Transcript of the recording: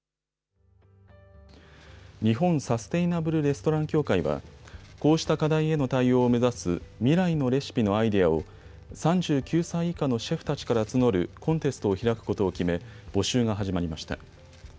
日本サステイナブル・レストラン協会はこうした課題への対応を目指す未来のレシピのアイデアを３９歳以下のシェフたちから募るコンテストを開くことを決め募集が始まりました。